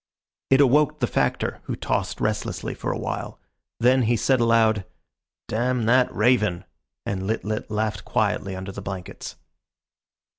It awoke the Factor, who tossed restlessly for a while. Then he said aloud, "Damn that raven," and Lit lit laughed quietly under the blankets.